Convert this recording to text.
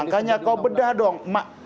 oh makanya kau bedah dong